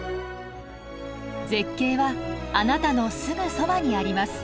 絶景はあなたのすぐそばにあります。